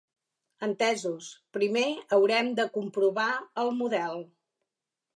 Entesos, primer haurem de comprovar el model.